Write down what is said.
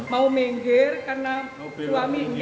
mau mengger karena suami geng